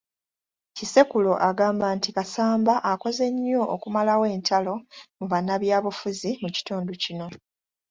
Kisekulo agamba nti Kasamba akoze nnyo okumalawo entalo mu bannabyabufuzi mu kitundu kino.